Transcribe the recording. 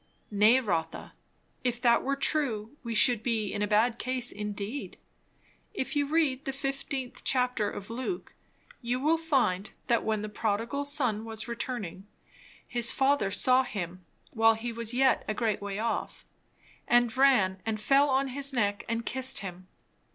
"Nay, Rotha, if that were true we should be in a bad case indeed. If you read the fifteenth chapter of Luke, you will find that when the prodigal son was returning, his father saw him while he was yet a great way off; and ran and fell on his neck and kissed him.